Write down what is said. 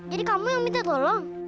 jadi kamu yang minta tolong